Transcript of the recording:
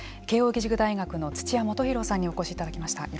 慶應義塾大学の土屋大洋さんにお越しいただきました。